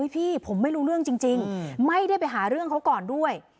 พี่ผมไม่รู้เรื่องจริงไม่ได้ไปหาเรื่องเขาก่อนด้วย